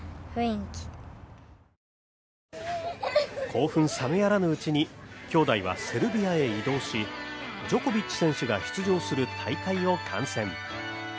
興奮冷めやらぬうちに兄弟はセルビアへ移動しジョコビッチ選手が出場する大会を観戦。